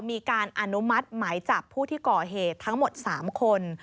มีการอนุมัติหมายจับผู้ที่ก่อเหตุทั้งหมด๓คน